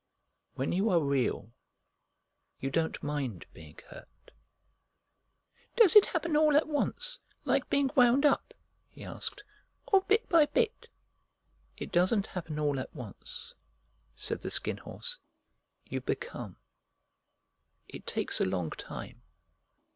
"When you are Real you don't mind being hurt." "Does it happen all at once, like being wound up," he asked, "or bit by bit?" "It doesn't happen all at once," said the Skin Horse. "You become. It takes a long time.